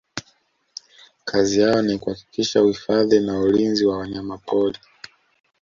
kazi yao ni kuhakikisha uhifadhi na ulinzi wa wanyamapori